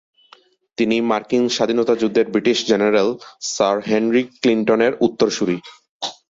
তিনি মার্কিন স্বাধীনতা যুদ্ধের ব্রিটিশ জেনারেল স্যার হেনরি ক্লিনটনের উত্তরসূরী।